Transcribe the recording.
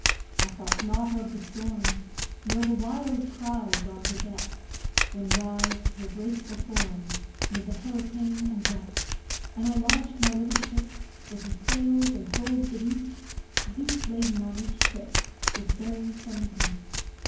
I thought not of the storm, Nor the wild cries on her deck, When writhed her graceful form 'Mid the hurricane and wreck. And I launch'd my little ship, With her sails and hold beneath; Deep laden on each trip, With berries from the heath.